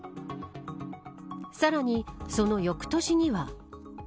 さらに、その翌年には。